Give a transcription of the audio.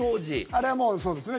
あれは、そうですね。